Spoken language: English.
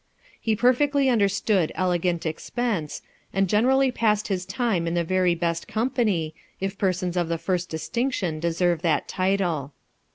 He perfectly understood elegant expense, and generally passed his time in the very best company, if persons of the first distinction deserve that title.